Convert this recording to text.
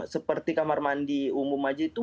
seperti kamar mandi umum aja itu